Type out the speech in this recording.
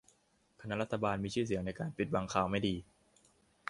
คณะรัฐบาลมีชื่อเสียงในการปิดบังข่าวไม่ดี